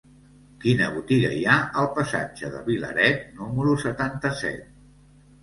Quina botiga hi ha al passatge de Vilaret número setanta-set?